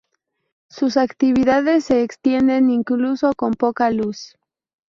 Sus actividades se extienden incluso con poca luz.